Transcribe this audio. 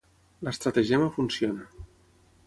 L'estratagema funciona.